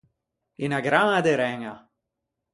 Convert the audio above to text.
Unna graña de ræña.